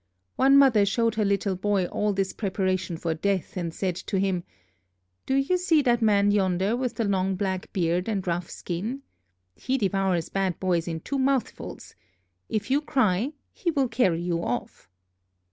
One mother showed her little boy all this preparation for death, and said to him: "Do you see that man yonder with the long black beard and rough skin? He devours bad boys in two mouthfuls: if you cry, he will carry you off."